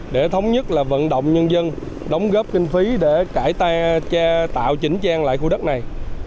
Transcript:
để thống nhất là vận động nhân dân đóng góp kinh phí để cải tạo chỉnh trang lại khu đất này